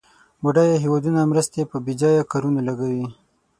بډایه هېوادونه مرستې په بیځایه کارونو لګوي.